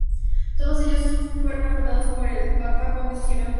Todos ellos fueron afrontados por el papa con decisión y autoridad.